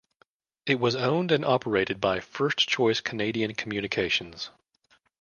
It was owned and operated by First Choice Canadian Communications.